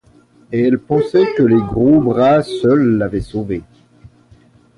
Et elle pensait que ces gros bras seuls l’avaient sauvée.